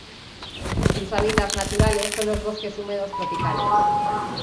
Sus hábitats naturales son los bosques húmedos tropicales.